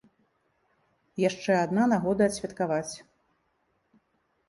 Яшчэ адна нагода адсвяткаваць.